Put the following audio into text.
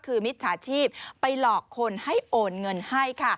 คือมิจฉาชีพไปหลอกคนให้โอนเงินให้ค่ะ